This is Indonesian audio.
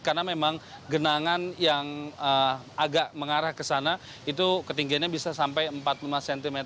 karena memang genangan yang agak mengarah ke sana itu ketinggiannya bisa sampai empat puluh lima cm